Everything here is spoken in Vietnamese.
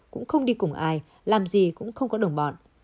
cũng không đi cùng ai làm gì cũng không có đồng bọn